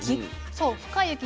そう深い雪。